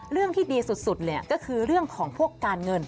เรื่องที่ดีสุดเลยก็คือเรื่องของพวกการเงิน